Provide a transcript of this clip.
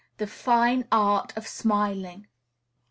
The Fine Art of Smiling.